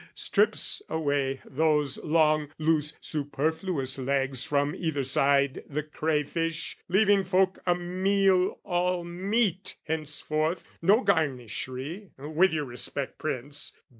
Strips away those long loose superfluous legs From either side the crayfish, leaving folk A meal all meat henceforth, no garnishry, (With your respect, Prince!)